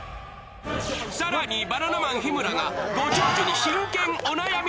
更にバナナマン日村がご長寿に真剣お悩み